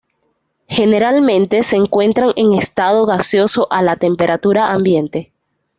Generalmente se encuentran en estado gaseoso a la temperatura ambiente.